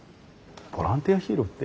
ボランティアヒーローって？